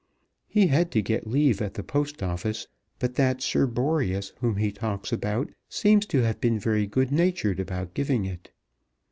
He had to get leave at the Post Office, but that Sir Boreas whom he talks about seems to have been very good natured about giving it.